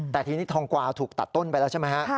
แต่ทีนี้ทองกวาถูกตัดต้นไปแล้วใช่ไหมฮะ